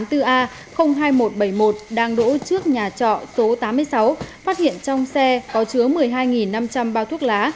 đang đổ trước nhà trọ số tám mươi sáu phát hiện trong xe có chứa một mươi hai năm trăm linh bao thuốc lá